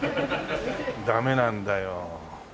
ダメなんだよ。